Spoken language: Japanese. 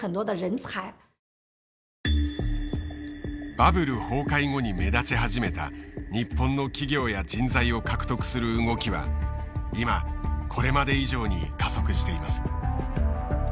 バブル崩壊後に目立ち始めた日本の企業や人材を獲得する動きは今これまで以上に加速しています。